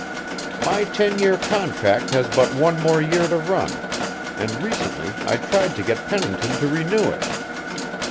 "My ten year contract has but one more year to run, and recently I tried to get Pennington to renew it.